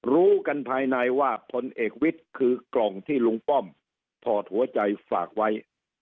รู้กันภายในว่าพลเอกวิทย์คือกล่องที่ลุงป้อมถอดหัวใจฝากไว้